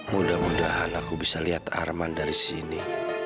mudah mudahan aku bisa lihat arman dari sini